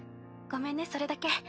ごめんねそれだけ。